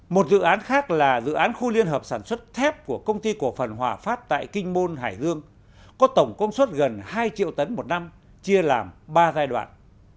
một dự án khác là dự án khu liên hợp sản xuất thép của công ty cổ phần hòa phát tại kinh môn hải dương có tổng công suất gần hai triệu tấn một năm chia làm ba giai đoạn